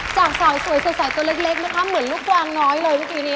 จากสาวสวยใสตัวเล็กนะคะเหมือนลูกกวางน้อยเลยเมื่อกี้นี้